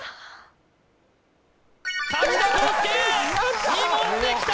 柿田浩佑２問できた！